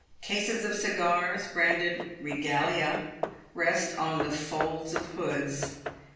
Cases of cigars, branded "Regalia," rest on the folds of hoods.